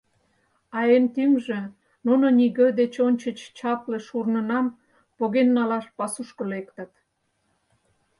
А эн тӱҥжӧ — нуно нигӧ деч ончыч чапле шурнынам поген налаш пасушко лектыт.